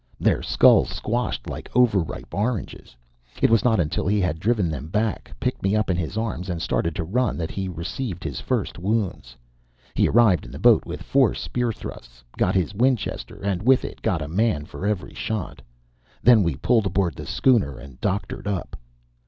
Their skulls squashed like overripe oranges. It was not until he had driven them back, picked me up in his arms, and started to run, that he received his first wounds. He arrived in the boat with four spear thrusts, got his Winchester, and with it got a man for every shot. Then we pulled aboard the schooner, and doctored up.